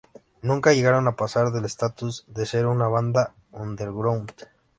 Nunca llegaron a pasar del status de ser una banda underground.